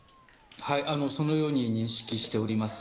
そのように認識しております。